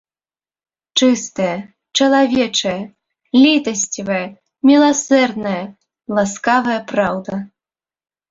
Чыстая, чалавечая, літасцівая, міласэрная, ласкавая праўда.